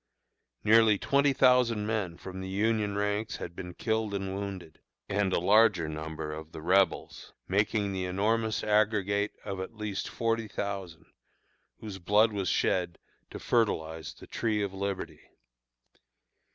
Nearly twenty thousand men from the Union ranks had been killed and wounded, and a larger number of the Rebels, making the enormous aggregate of at least forty thousand, whose blood was shed to fertilize the Tree of Liberty.